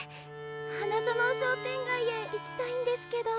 花園商店街へ行きたいんですけど。